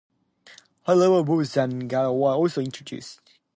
High-heel boots with garters were also introduced.